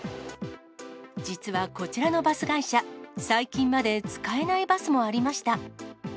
実はこちらのバス会社、最近まで、使えないバスもありました。